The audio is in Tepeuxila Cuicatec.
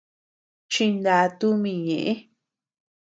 Chiná tumi ñeʼe.